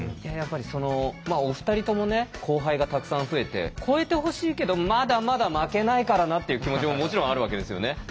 やっぱりお二人ともね後輩がたくさん増えて超えてほしいけどまだまだ負けないからなって気持ちももちろんあるわけですよね？